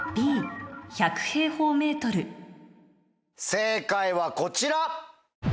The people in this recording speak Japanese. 正解はこちら。